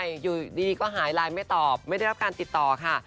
ใช่อยู่ดีก็หายไลน์ไม่ตอบไม่ได้รับการติดต่อค่ะ